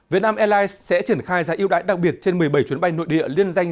việt nam airlines sẽ triển khai giá yêu đáy đặc biệt trên một mươi bảy chuyến bay nội địa liên danh